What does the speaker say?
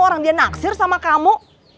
orang dia naksir sama kamu